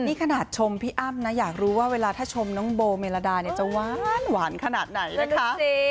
นี่ขนาดชมพี่อ้ำนะอยากรู้ว่าเวลาถ้าชมน้องโบเมลดาเนี่ยจะหวานขนาดไหนนะคะ